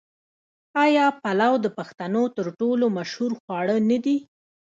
آیا پلو د پښتنو تر ټولو مشهور خواړه نه دي؟